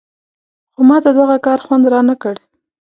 خو ماته دغه کار خوند نه راکړ.